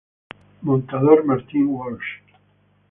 Montador: Martin Walsh.